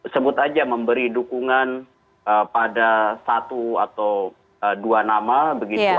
sebut aja memberi dukungan pada satu atau dua nama begitu